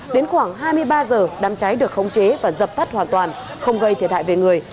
đến khoảng hai mươi ba h đám cháy được khống chế và dập tắt hoàn toàn không gây thiệt hại về người